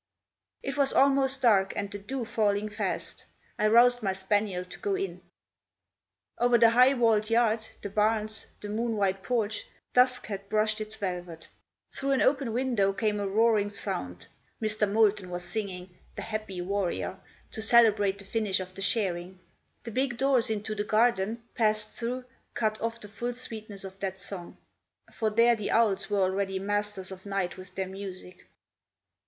It was almost dark, and the dew falling fast; I roused my spaniel to go in. Over the high walled yard, the barns, the moon white porch, dusk had brushed its velvet. Through an open window came a roaring sound. Mr. Molton was singing "The Happy Warrior," to celebrate the finish of the shearing. The big doors into the garden, passed through, cut off the full sweetness of that song; for there the owls were already masters of night with their music.